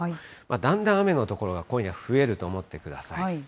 だんだん雨の所が今夜、増えると思ってください。